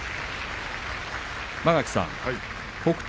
間垣さん、北勝